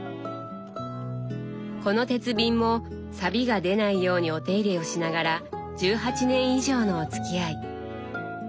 この鉄瓶もさびが出ないようにお手入れをしながら１８年以上のおつきあい。